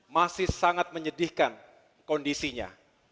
masih sangat menyedihkan kondisinya